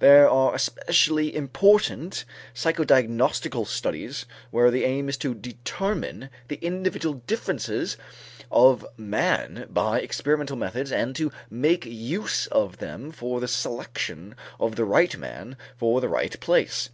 There are especially important psychodiagnostical studies where the aim is to determine the individual differences of man by experimental methods and to make use of them for the selection of the right man for the right place.